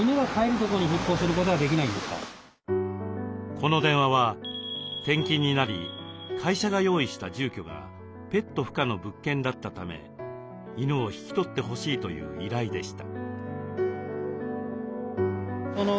この電話は転勤になり会社が用意した住居がペット不可の物件だったため犬を引き取ってほしいという依頼でした。